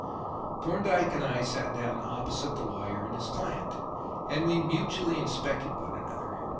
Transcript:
Thorndyke and I sat down opposite the lawyer and his client, and we mutually inspected one another.